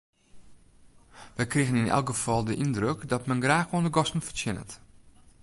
Wy krigen yn elk gefal de yndruk dat men graach oan de gasten fertsjinnet.